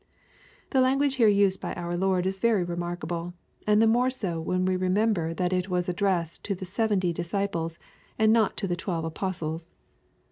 '' The language here used by our Lord is very remark able, and the more so when we remember that it was addressed to the seventy disciples, and not to the twelve apostles.